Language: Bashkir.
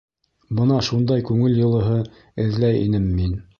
Бына шундай күңел йылыһы эҙләй инем мин...